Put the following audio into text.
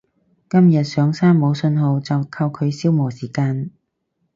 今日上山冇訊號就靠佢消磨時間